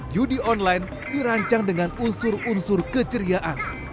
judi online dirancang dengan unsur unsur keceriaan